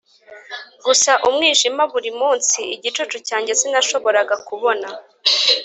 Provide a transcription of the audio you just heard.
gusa umwijima buri munsi igicucu cyanjye, sinashoboraga kubona